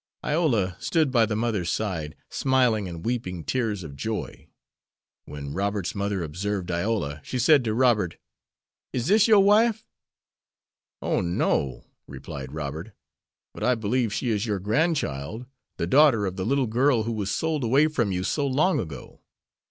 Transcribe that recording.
Iola stood by the mother's side, smiling, and weeping tears of joy. When Robert's mother observed Iola, she said to Robert, "Is dis yore wife?" "Oh, no," replied Robert, "but I believe she is your grandchild, the daughter of the little girl who was sold away from you so long ago.